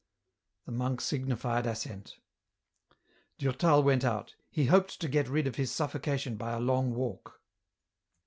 The monk signified assent. Durtal went out. He hoped to get rid of his suffocation by a long walk.